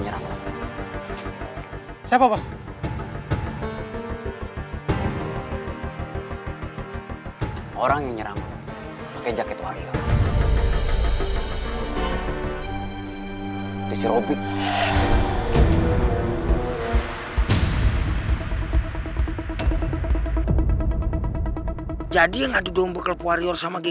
jangan sampai kita kecolongan lagi